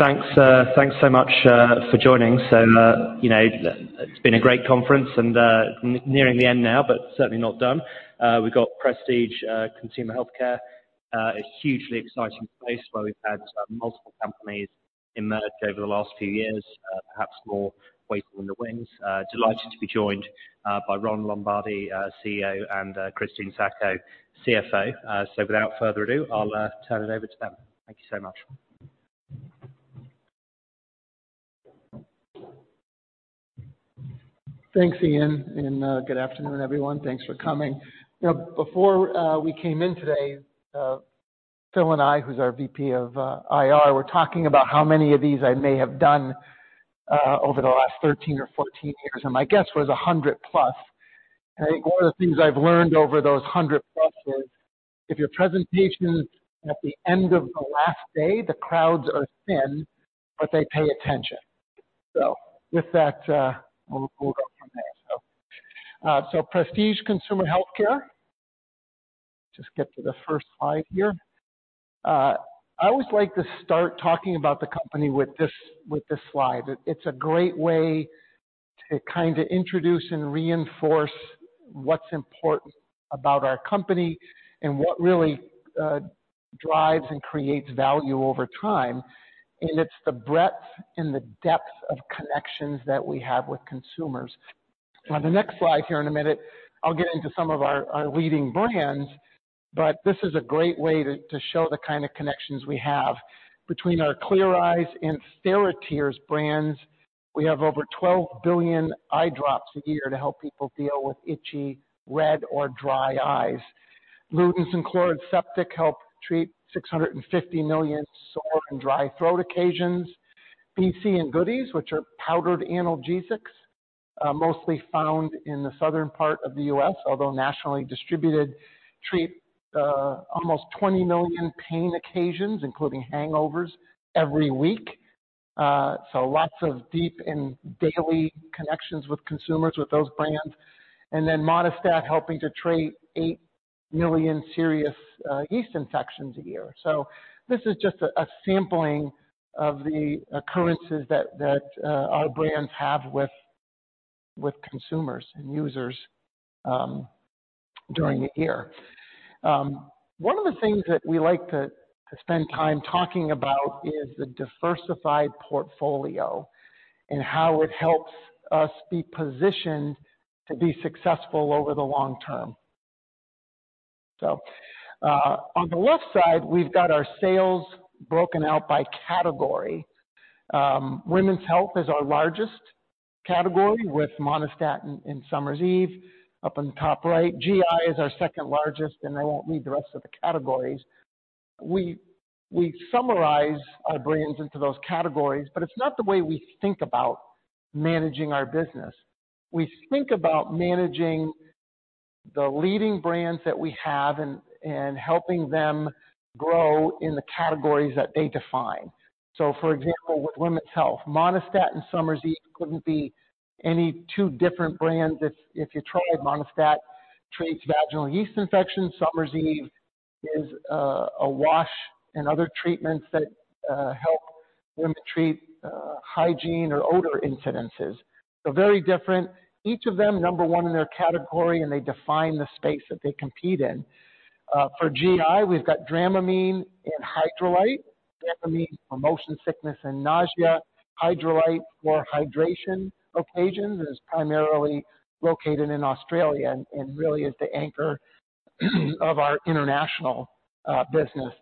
Thanks, thanks so much for joining. So, you know, it's been a great conference, and nearing the end now, but certainly not done. We've got Prestige Consumer Healthcare, a hugely exciting place where we've had multiple companies emerge over the last few years. Perhaps more waiting in the wings. Delighted to be joined by Ron Lombardi, CEO, and Christine Sacco, CFO. So without further ado, I'll turn it over to them. Thank you so much. Thanks, Ian, and good afternoon, everyone. Thanks for coming. Now, before we came in today, Phil and I, who's our VP of IR, were talking about how many of these I may have done over the last 13 or 14 years, and my guess was 100 plus. I think one of the things I've learned over those 100+ is, if your presentation is at the end of the last day, the crowds are thin, but they pay attention. So with that, we'll go from there. So, so Prestige Consumer Healthcare. Just get to the first slide here. I always like to start talking about the company with this, with this slide. It's a great way to kind of introduce and reinforce what's important about our company and what really drives and creates value over time, and it's the breadth and the depth of connections that we have with consumers. On the next slide here in a minute, I'll get into some of our leading brands, but this is a great way to show the kind of connections we have. Between our Clear Eyes and TheraTears brands, we have over 12 billion eye drops a year to help people deal with itchy, red, or dry eyes. Luden's and Chloraseptic help treat 650 million sore and dry throat occasions. BC and Goody's, which are powdered analgesics, mostly found in the southern part of the U.S., although nationally distributed, treat almost 20 million pain occasions, including hangovers, every week. So lots of deep and daily connections with consumers with those brands. And then Monistat helping to treat 8 million serious yeast infections a year. So this is just a sampling of the occurrences that our brands have with consumers and users during the year. One of the things that we like to spend time talking about is the diversified portfolio and how it helps us be positioned to be successful over the long term. So, on the left side, we've got our sales broken out by category. Women's health is our largest category, with Monistat and Summer's Eve. Up in the top right, GI is our second largest, and I won't read the rest of the categories. We summarize our brands into those categories, but it's not the way we think about managing our business. We think about managing the leading brands that we have and helping them grow in the categories that they define. So for example, with women's health, Monistat and Summer's Eve couldn't be any two different brands if you tried. Monistat treats vaginal yeast infections. Summer's Eve is a wash and other treatments that help women treat hygiene or odor incidences. So very different. Each of them number one in their category, and they define the space that they compete in. For GI, we've got Dramamine and Hydralyte. Dramamine for motion sickness and nausea. Hydralyte for hydration occasions, and is primarily located in Australia and really is the anchor of our international business.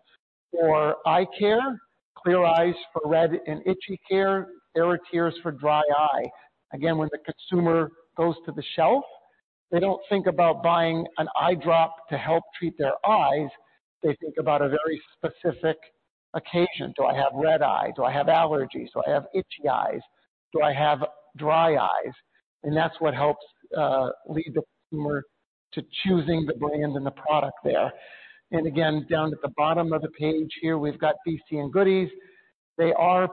For eye care, Clear Eyes for red and itchy care, TheraTears for dry eye. Again, when the consumer goes to the shelf, they don't think about buying an eye drop to help treat their eyes. They think about a very specific occasion. Do I have red eye? Do I have allergies? Do I have itchy eyes? Do I have dry eyes? And that's what helps lead the consumer to choosing the brand and the product there. And again, down at the bottom of the page here, we've got BC and Goody's. They are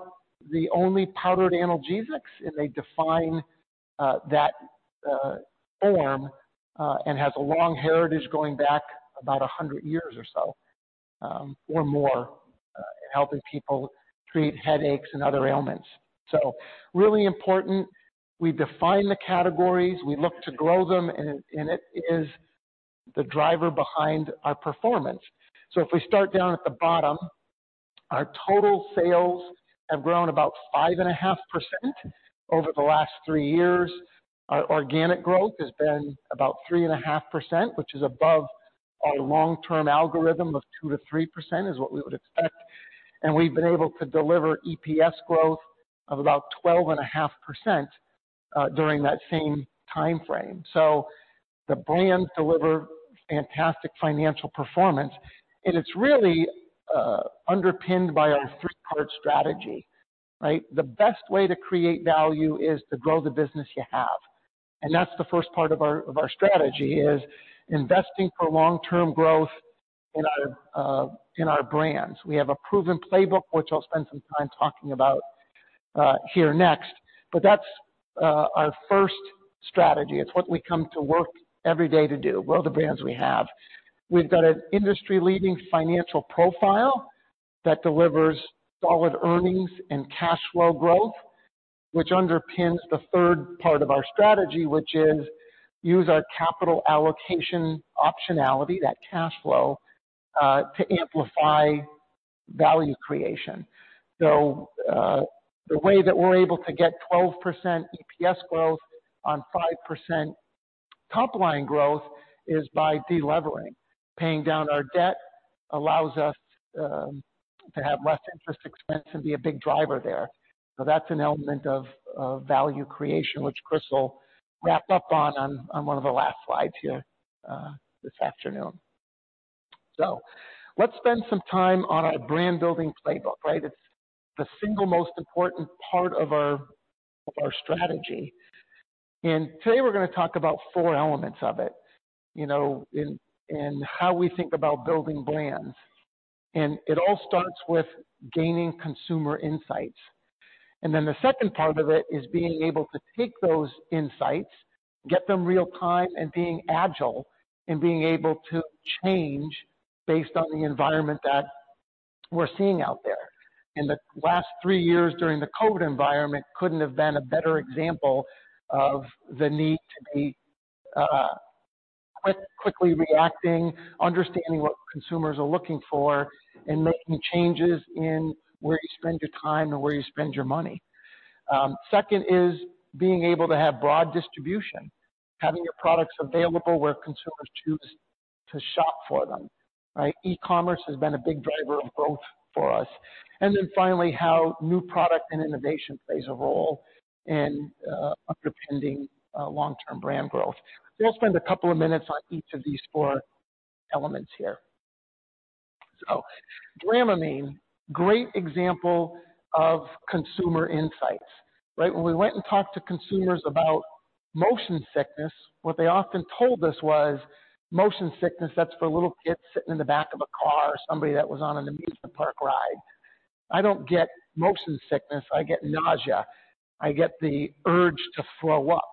the only powdered analgesics, and they define that form and has a long heritage going back about 100 years or so or more in helping people treat headaches and other ailments. So really important, we define the categories, we look to grow them, and it is the driver behind our performance. So if we start down at the bottom, our total sales have grown about 5.5% over the last three years. Our organic growth has been about 3.5%, which is above our long-term algorithm of 2%-3%, is what we would expect. And we've been able to deliver EPS growth of about 12.5%, during that same timeframe. So the brands deliver fantastic financial performance, and it's really underpinned by our three-part strategy, right? The best way to create value is to grow the business you have, and that's the first part of our, of our strategy, is investing for long-term growth in our, in our brands. We have a proven playbook, which I'll spend some time talking about here next. But that's our first strategy. It's what we come to work every day to do, grow the brands we have. We've got an industry-leading financial profile that delivers solid earnings and cash flow growth, which underpins the third part of our strategy, which is use our capital allocation optionality, that cash flow to amplify value creation. So, the way that we're able to get 12% EPS growth on 5% top line growth is by delevering. Paying down our debt allows us to have less interest expense and be a big driver there. So that's an element of value creation, which Chris will wrap up on one of the last slides here this afternoon. So let's spend some time on our brand building playbook, right? It's the single most important part of our strategy. And today we're gonna talk about four elements of it, you know, and, and how we think about building brands. And it all starts with gaining consumer insights. And then the second part of it is being able to take those insights, get them real-time, and being agile and being able to change based on the environment that we're seeing out there. And the last three years, during the COVID environment, couldn't have been a better example of the need to be quickly reacting, understanding what consumers are looking for, and making changes in where you spend your time and where you spend your money. Second is being able to have broad distribution, having your products available where consumers choose to shop for them, right? E-commerce has been a big driver of growth for us. And then finally, how new product and innovation plays a role in underpinning long-term brand growth. So we'll spend a couple of minutes on each of these four elements here. So Dramamine, great example of consumer insights, right? When we went and talked to consumers about motion sickness, what they often told us was, "Motion sickness, that's for little kids sitting in the back of a car or somebody that was on an amusement park ride. I don't get motion sickness, I get nausea. I get the urge to throw up,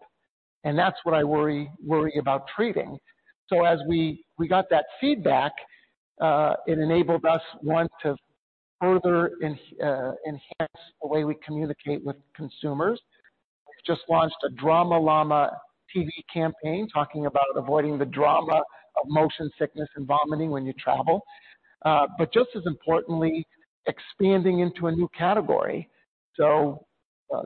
and that's what I worry about treating." So as we got that feedback, it enabled us, one, to further enhance the way we communicate with consumers. Just launched a Drama Llama TV campaign talking about avoiding the drama of motion sickness and vomiting when you travel. But just as importantly, expanding into a new category. So,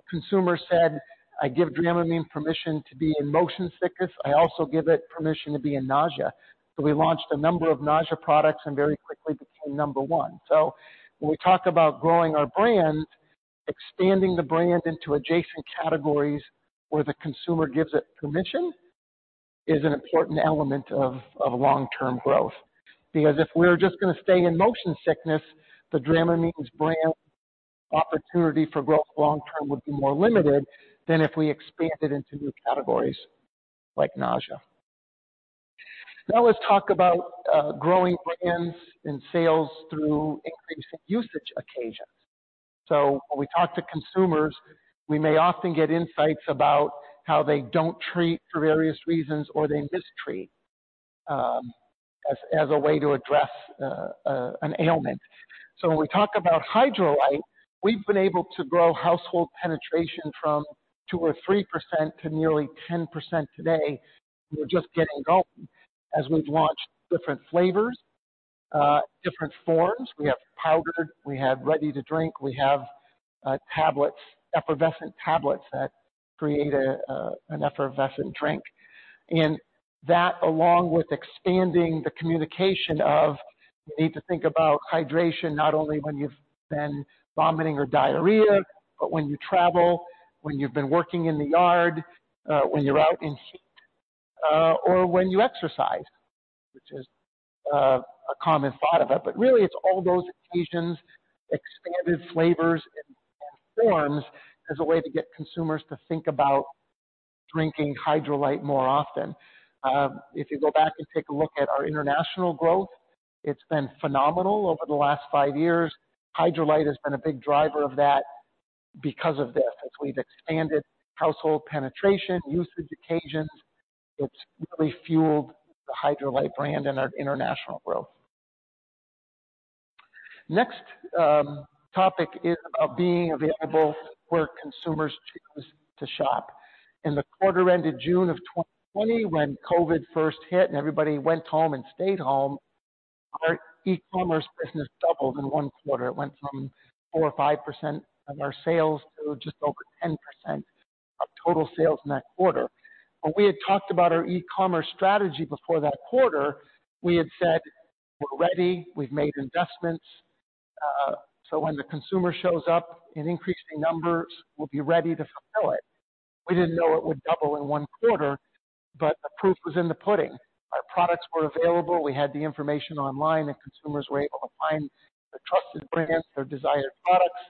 consumers said, "I give Dramamine permission to be in motion sickness. I also give it permission to be in nausea." So we launched a number of nausea products and very quickly became number one. So when we talk about growing our brand, expanding the brand into adjacent categories where the consumer gives it permission, is an important element of long-term growth. Because if we're just gonna stay in motion sickness, the Dramamine brand opportunity for growth long term would be more limited than if we expanded into new categories like nausea. Now, let's talk about growing brands and sales through increasing usage occasions. So when we talk to consumers, we may often get insights about how they don't treat for various reasons or they mistreat, as a way to address an ailment. So when we talk about Hydralyte, we've been able to grow household penetration from 2% or 3% to nearly 10% today. We're just getting going. As we've launched different flavors, different forms. We have powdered, we have ready-to-drink, we have tablets, effervescent tablets that create an effervescent drink. And that, along with expanding the communication of, you need to think about hydration, not only when you've been vomiting or diarrhea, but when you travel, when you've been working in the yard, when you're out in heat, or when you exercise, which is a common thought of it. But really, it's all those occasions, expanded flavors and forms, as a way to get consumers to think about drinking Hydralyte more often. If you go back and take a look at our international growth, it's been phenomenal over the last five years. Hydralyte has been a big driver of that because of this. As we've expanded household penetration, usage occasions, it's really fueled the Hydralyte brand and our international growth. Next, topic is, being available where consumers choose to shop. In the quarter-ended June of 2020, when COVID first hit and everybody went home and stayed home, our e-commerce business doubled in one quarter. It went from 4% or 5% of our sales to just over 10% of total sales in that quarter. When we had talked about our e-commerce strategy before that quarter, we had said, "We're ready. We've made investments, so when the consumer shows up in increasing numbers, we'll be ready to fulfill it." We didn't know it would double in one quarter, but the proof was in the pudding. Our products were available, we had the information online, and consumers were able to find the trusted brands, their desired products.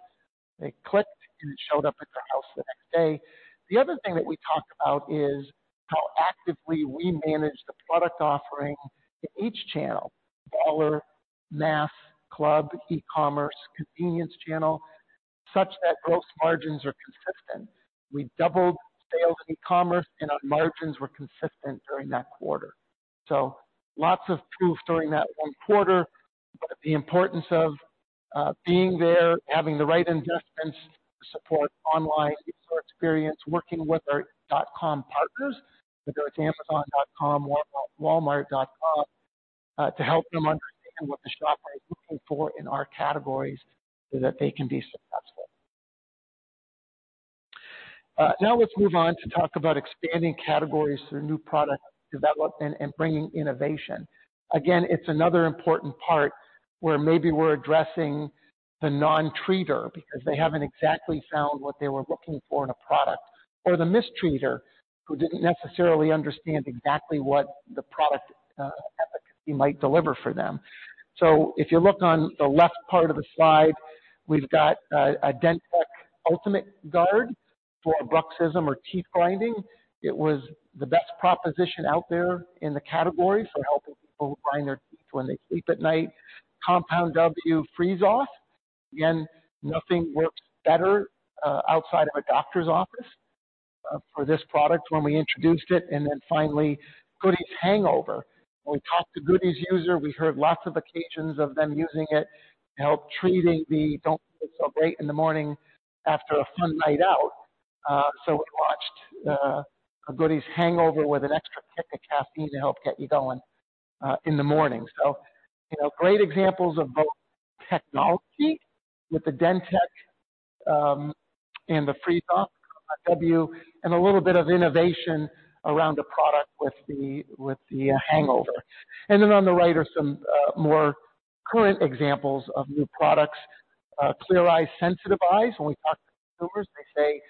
They clicked, and it showed up at their door or else the next day. The other thing that we talked about is how actively we manage the product offering to each channel, dollar, mass, club, e-commerce, convenience channel, such that gross margins are consistent. We doubled sales in e-commerce, and our margins were consistent during that quarter. So lots of proof during that one quarter, but the importance of being there, having the right investments to support online store experience, working with our dot com partners, whether it's Amazon.com or Walmart.com, to help them understand what the shopper is looking for in our categories, so that they can be successful. Now let's move on to talk about expanding categories through new product development and bringing innovation. Again, it's another important part where maybe we're addressing the non-treater because they haven't exactly found what they were looking for in a product, or the mistreater, who didn't necessarily understand exactly what the product efficacy might deliver for them. So if you look on the left part of the slide, we've got a DenTek Ultimate Guard for bruxism or teeth grinding. It was the best proposition out there in the category for helping people who grind their teeth when they sleep at night. Compound W Freeze Off. Again, nothing works better, outside of a doctor's office, for this product when we introduced it. And then finally, Goody's Hangover. When we talked to Goody's user, we heard lots of occasions of them using it to help treating the don't feel so great in the morning after a fun night out. So we launched, a Goody's Hangover with an extra kick of caffeine to help get you going, in the morning. So, you know, great examples of both technology with the DenTek, and the Freeze Off W, and a little bit of innovation around the product with the Hangover. And then on the right are some, more current examples of new products. Clear Eyes Sensitive Eyes. When we talk to consumers, they say,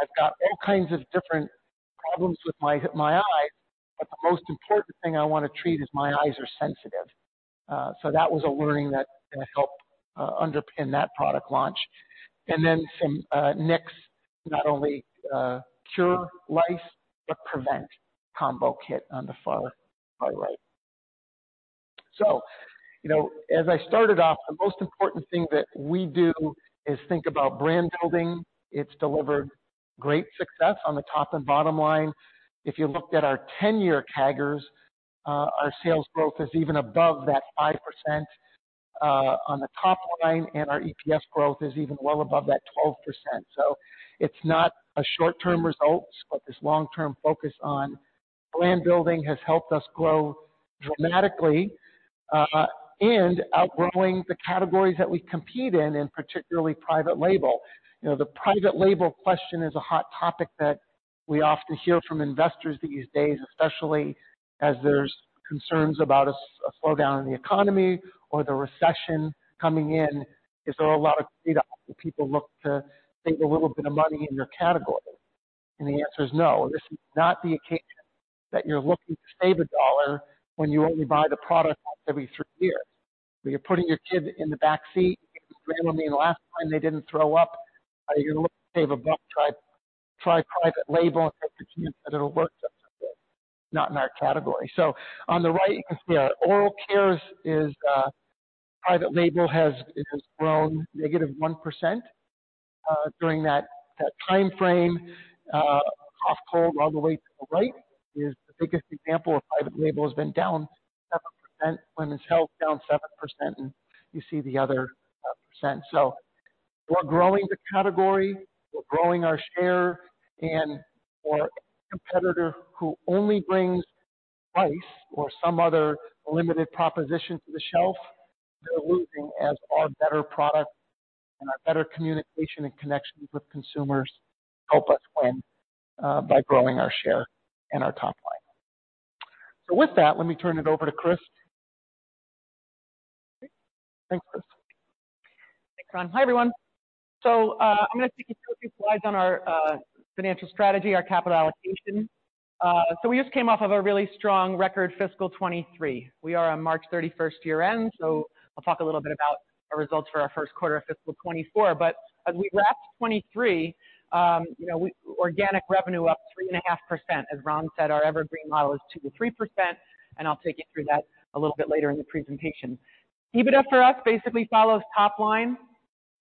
"I've got all kinds of different problems with my, my eyes, but the most important thing I want to treat is my eyes are sensitive." So that was a learning that helped underpin that product launch. And then some Nix, not only cure lice, but prevent combo kit on the far, far right. So, you know, as I started off, the most important thing that we do is think about brand building. It's delivered great success on the top and bottom line. If you looked at our 10-year CAGR, our sales growth is even above that 5% on the top line, and our EPS growth is even well above that 12%. So it's not a short-term results, but this long-term focus on brand building has helped us grow dramatically, and outgrowing the categories that we compete in, in particularly private label. You know, the private label question is a hot topic that we often hear from investors these days, especially as there's concerns about a slowdown in the economy or the recession coming in. Is there a lot of data people look to save a little bit of money in your category? And the answer is no. This is not the occasion that you're looking to save a dollar when you only buy the product every three years. When you're putting your kid in the backseat, meaning last time they didn't throw up, you're looking to save a buck, try private label, and it'll work, not in our category. So on the right, you can see our oral care is, private label has, it has grown -1% during that, that time frame. Cough, cold, all the way to the right is the biggest example of private label, has been down 7%. Women's health down 7%, and you see the other percent. So we're growing the category, we're growing our share, and for a competitor who only brings price or some other limited proposition to the shelf, they're losing as our better product and our better communication and connections with consumers help us win by growing our share and our top line. So with that, let me turn it over to Chris. Thanks, Chris. Thanks, Ron. Hi, everyone. So, I'm going to take you through a few slides on our financial strategy, our capital allocation. So we just came off of a really strong record fiscal 2023. We are a March 31st year-end, so I'll talk a little bit about our results for our first quarter of fiscal 2024. But as we wrapped 2023, you know, organic revenue up 3.5%. As Ron said, our evergreen model is 2%-3%, and I'll take you through that a little bit later in the presentation. EBITDA for us basically follows top line,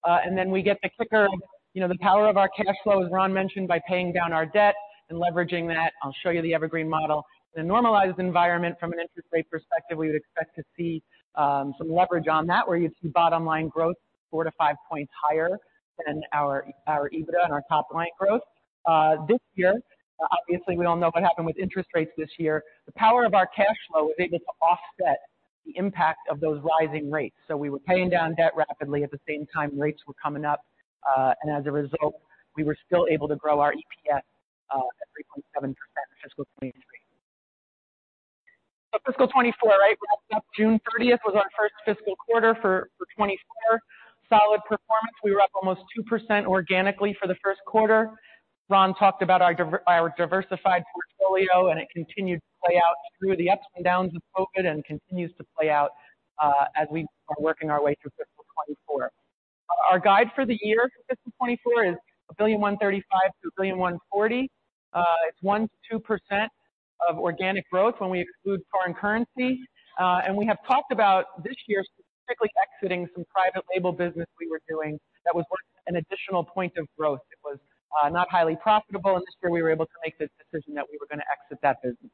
and then we get the kicker, you know, the power of our cash flow, as Ron mentioned, by paying down our debt and leveraging that. I'll show you the evergreen model. In a normalized environment, from an interest rate perspective, we would expect to see, some leverage on that, where you see bottom line growth 4-5 points higher than our, our EBITDA and our top line growth. This year, obviously, we don't know what happened with interest rates this year. The power of our cash flow was able to offset the impact of those rising rates. So we were paying down debt rapidly at the same time rates were coming up, and as a result, we were still able to grow our EPS, at 3.7% in fiscal 2023. So fiscal 2024, right? We're up June 30th, was our first fiscal quarter for, for 2024. Solid performance. We were up almost 2% organically for the first quarter. Ron talked about our diversified portfolio, and it continued to play out through the ups and downs of COVID and continues to play out as we are working our way through fiscal 2024. Our guide for the year, fiscal 2024, is $1.135 billion-$1.140 billion. It's 1%-2% of organic growth when we exclude foreign currency. And we have talked about this year specifically exiting some private label business we were doing that was worth an additional point of growth. It was not highly profitable, and this year we were able to make the decision that we were going to exit that business.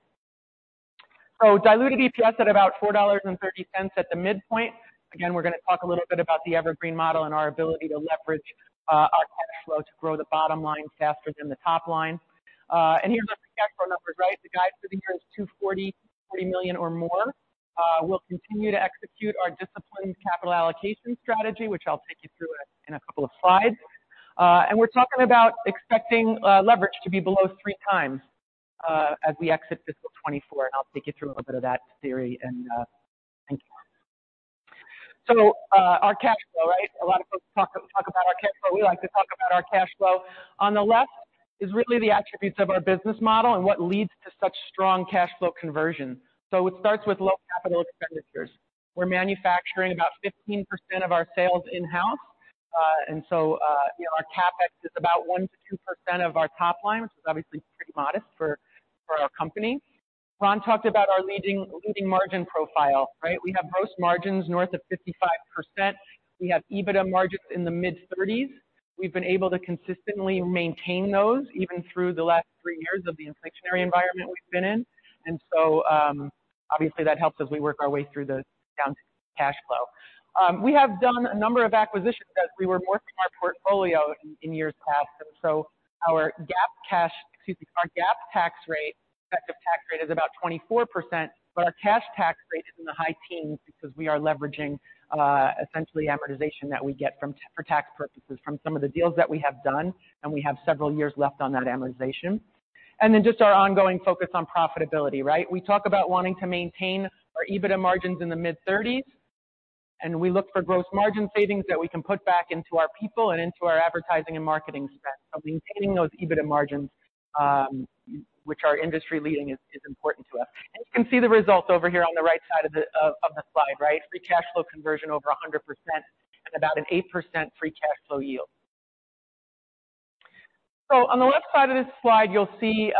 So diluted EPS at about $4.30 at the midpoint. Again, we're going to talk a little bit about the Evergreen model and our ability to leverage our cash flow to grow the bottom line faster than the top line. And here's our free cash flow numbers, right? The guide for the year is $240 million or more. We'll continue to execute our disciplined capital allocation strategy, which I'll take you through in a couple of slides. And we're talking about expecting leverage to be below 3x as we exit fiscal 2024. And I'll take you through a little bit of that theory and thank you. So, our cash flow, right? A lot of folks talk about our cash flow. We like to talk about our cash flow. On the left is really the attributes of our business model and what leads to such strong cash flow conversion. So it starts with low capital expenditures. We're manufacturing about 15% of our sales in-house. You know, our CapEx is about 1%-2% of our top line, which is obviously pretty modest for our company. Ron talked about our leading margin profile, right? We have gross margins north of 55%. We have EBITDA margins in the mid-30s. We've been able to consistently maintain those, even through the last three years of the inflationary environment we've been in. So, obviously, that helps as we work our way through the down cash flow. We have done a number of acquisitions as we were morphing our portfolio in years past. Our GAAP cash, excuse me, our GAAP tax rate, effective tax rate is about 24%, but our cash tax rate is in the high teens because we are leveraging essentially amortization that we get from, for tax purposes from some of the deals that we have done, and we have several years left on that amortization. And then just our ongoing focus on profitability, right? We talk about wanting to maintain our EBITDA margins in the mid-30s, and we look for gross margin savings that we can put back into our people and into our advertising and marketing spend. So maintaining those EBITDA margins, which are industry leading, is important to us. And you can see the results over here on the right side of the slide, right? Free cash flow conversion over 100% and about an 8% free cash flow yield. So on the left side of this slide, you'll see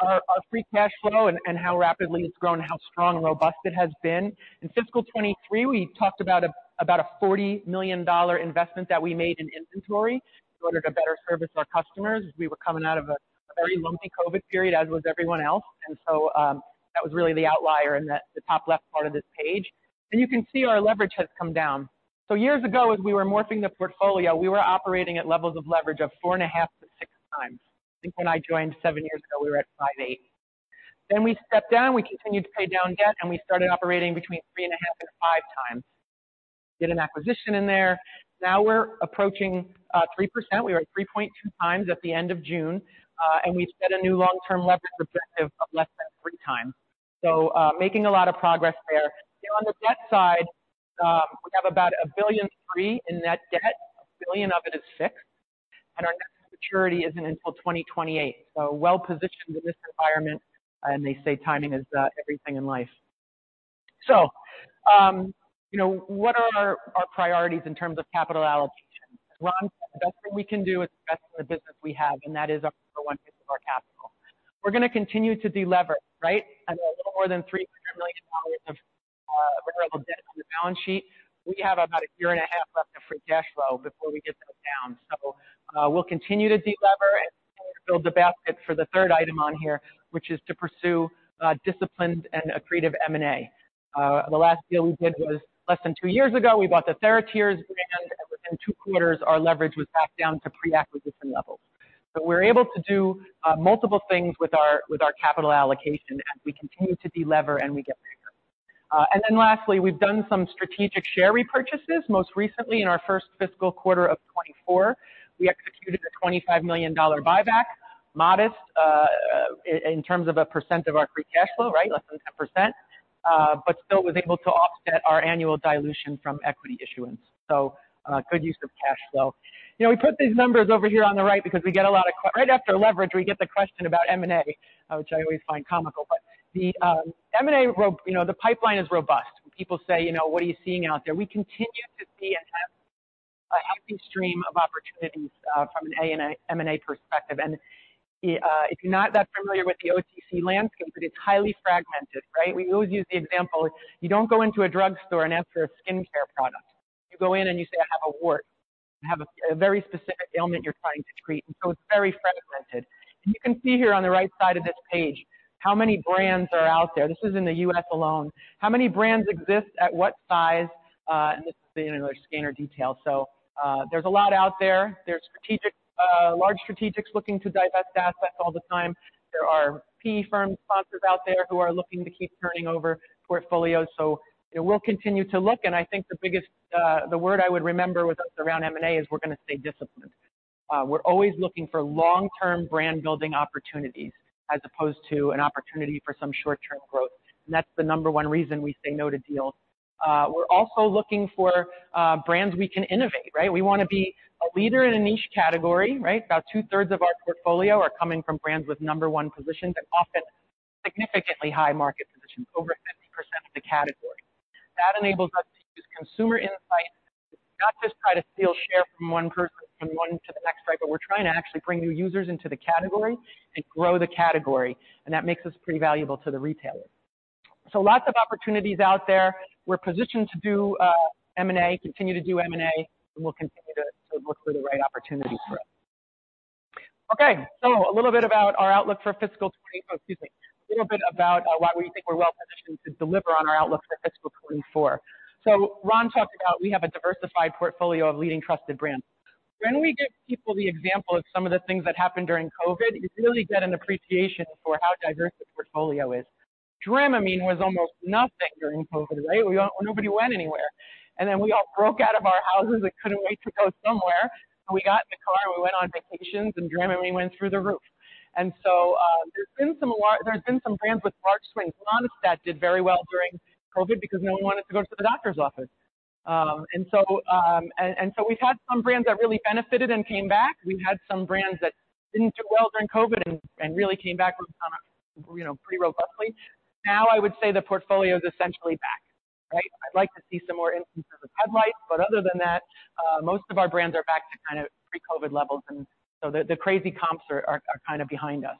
our free cash flow and how rapidly it's grown, how strong and robust it has been. In fiscal 2023, we talked about about a $40 million investment that we made in inventory in order to better service our customers, as we were coming out of a very lumpy COVID period, as was everyone else. And so, that was really the outlier in the top left part of this page. And you can see our leverage has come down. So years ago, as we were morphing the portfolio, we were operating at levels of leverage of 4.5-6 times. I think when I joined seven years ago, we were at 5.8. We stepped down, we continued to pay down debt, and we started operating between 3.5x and 5x. Did an acquisition in there. Now we're approaching 3%. We were at 3.2x at the end of June, and we've set a new long-term leverage objective of less than 3x. Making a lot of progress there. On the debt side, we have about $1.3 billion in net debt, $1 billion of it is fixed, and our next maturity isn't until 2028. Well positioned in this environment, and they say timing is everything in life. You know, what are our priorities in terms of capital allocation? Ron, the best thing we can do is the best of the business we have, and that is our one piece of our capital. We're going to continue to delever, right? A little more than $300 million of available debt on the balance sheet. We have about a year and a half left of free cash flow before we get those down. So, we'll continue to delever and build the basket for the third item on here, which is to pursue disciplined and accretive M&A. The last deal we did was less than two years ago. We bought the TheraTears brand, and within two quarters, our leverage was back down to pre-acquisition levels. So we're able to do multiple things with our capital allocation as we continue to delever and we get bigger. And then lastly, we've done some strategic share repurchases. Most recently, in our first fiscal quarter of 2024, we executed a $25 million buyback. Modest, in terms of a percent of our free cash flow, right? Less than 10%. Still was able to offset our annual dilution from equity issuance. Good use of cash flow. You know, we put these numbers over here on the right because we get a lot of que- right after leverage, we get the question about M&A, which I always find comical, but the M&A you know, the pipeline is robust. People say, "You know, what are you seeing out there?" We continue to see and have a healthy stream of opportunities, from an M&A perspective. If you're not that familiar with the OTC landscape, it's highly fragmented, right? We always use the example: You don't go into a drugstore and ask for a skincare product. You go in and you say, "I have a wart." You have a very specific ailment you're trying to treat, and so it's very fragmented. You can see here on the right side of this page how many brands are out there. This is in the U.S. alone. How many brands exist, at what size, and this is another scanner detail. There's a lot out there. There's strategic, large strategics looking to divest assets all the time. There are PE firm sponsors out there who are looking to keep turning over portfolios. We'll continue to look, and I think the biggest, the word I would remember with us around M&A is we're going to stay disciplined. We're always looking for long-term brand building opportunities, as opposed to an opportunity for some short-term growth. And that's the number one reason we say no to deals. We're also looking for brands we can innovate, right? We wanna be a leader in a niche category, right? About two-thirds of our portfolio are coming from brands with number one positions, and often significantly high market positions, over 50% of the category. That enables us to use consumer insight, not just try to steal share from one person from one to the next, right? But we're trying to actually bring new users into the category and grow the category, and that makes us pretty valuable to the retailer. So lots of opportunities out there. We're positioned to do M&A, continue to do M&A, and we'll continue to look for the right opportunities for it. Okay, so a little bit about our outlook for fiscal twenty... Excuse me, a little bit about why we think we're well positioned to deliver on our outlook for fiscal 2024. So Ron talked about we have a diversified portfolio of leading trusted brands. When we give people the example of some of the things that happened during COVID, you really get an appreciation for how diverse this portfolio is. Dramamine was almost nothing during COVID, right? Nobody went anywhere, and then we all broke out of our houses and couldn't wait to go somewhere. So we got in the car, and we went on vacations, and Dramamine went through the roof. And so, there's been some brands with large swings. Monistat did very well during COVID because no one wanted to go to the doctor's office. And so we've had some brands that really benefited and came back. We've had some brands that didn't do well during COVID and really came back, you know, pretty robustly. Now, I would say the portfolio is essentially back, right? I'd like to see some more instances of highlights, but other than that, most of our brands are back to kind of pre-COVID levels, and so the crazy comps are kind of behind us.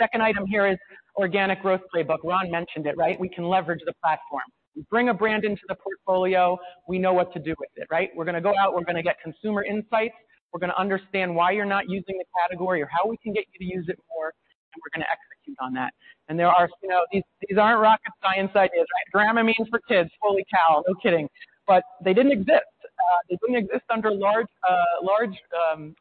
Second item here is organic growth playbook. Ron mentioned it, right? We can leverage the platform. We bring a brand into the portfolio. We know what to do with it, right? We're gonna go out, we're gonna get consumer insights, we're gonna understand why you're not using the category or how we can get you to use it more, and we're gonna execute on that. There are... You know, these aren't rocket science ideas, right? Dramamine for Kids, holy cow! No kidding. But they didn't exist. They didn't exist under large, large,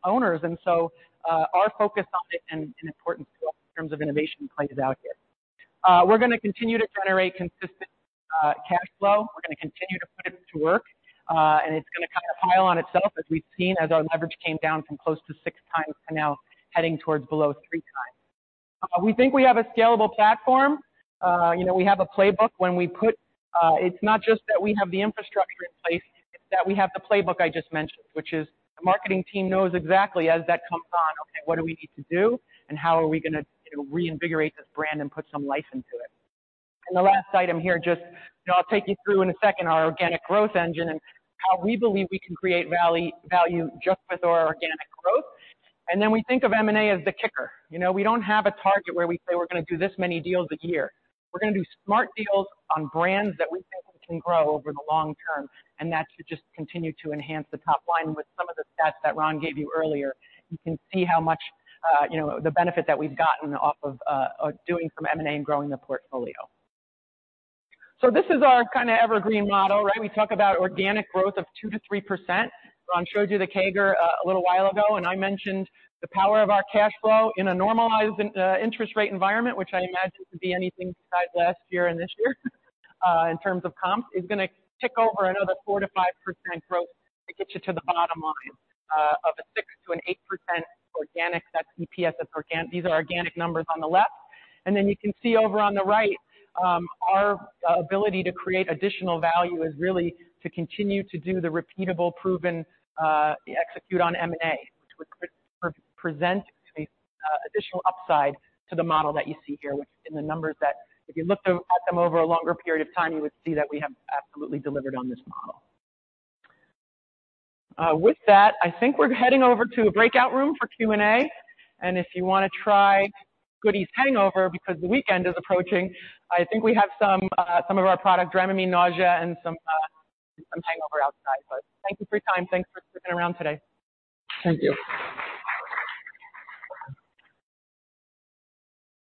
owners, and so, our focus on it and, and importance in terms of innovation plays out here. We're gonna continue to generate consistent cash flow. We're gonna continue to put it to work, and it's gonna kind of pile on itself, as we've seen, as our leverage came down from close to 6x to now heading towards below 3x. We think we have a scalable platform. You know, we have a playbook. When we put, it's not just that we have the infrastructure in place, it's that we have the playbook I just mentioned, which is the marketing team knows exactly as that comes on, okay, what do we need to do, and how are we gonna reinvigorate this brand and put some life into it? And the last item here, just, you know, I'll take you through in a second our organic growth engine and how we believe we can create value, value just with our organic growth. And then we think of M&A as the kicker. You know, we don't have a target where we say we're gonna do this many deals a year. We're gonna do smart deals on brands that we think we can grow over the long term, and that should just continue to enhance the top line. With some of the stats that Ron gave you earlier, you can see how much, you know, the benefit that we've gotten off of doing some M&A and growing the portfolio. So this is our kinda evergreen model, right? We talk about organic growth of 2%-3%. Ron showed you the CAGR a little while ago, and I mentioned the power of our cash flow in a normalized interest rate environment, which I imagine to be anything besides last year and this year in terms of comps, is gonna tick over another 4%-5% growth. It gets you to the bottom line of a 6%-8% organic. That's EPS of organic. These are organic numbers on the left, and then you can see over on the right our ability to create additional value is really to continue to do the repeatable, proven execute on M&A, which would represent additional upside to the model that you see here, which in the numbers that if you looked at them over a longer period of time, you would see that we have absolutely delivered on this model. With that, I think we're heading over to a breakout room for Q&A, and if you wanna try Goody's Hangover because the weekend is approaching. I think we have some of our product, Dramamine nausea, and some hangover outside. But thank you for your time. Thanks for sticking around today. Thank you.